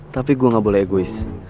tapi gue gak boleh egois